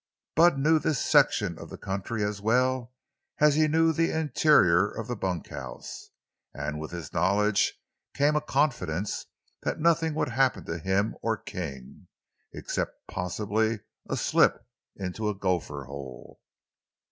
Bud knew this section of the country as well as he knew the interior of the bunkhouse, and with his knowledge came a confidence that nothing would happen to him or King, except possibly a slip into a gopher hole.